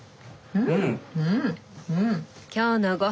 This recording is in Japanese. うん！